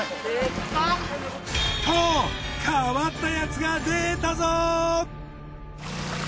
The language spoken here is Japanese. と変わったヤツが出たぞ！